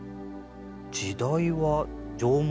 時代は縄文？